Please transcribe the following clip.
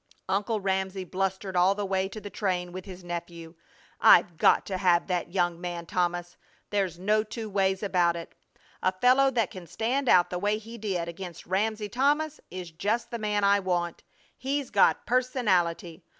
Uncle Ramsey blustered all the way to the train with his nephew. "I've got to have that young man, Thomas. There's no two ways about it. A fellow that can stand out the way he did against Ramsey Thomas is just the man I want. He's got personality.